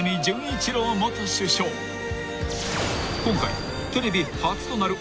［今回］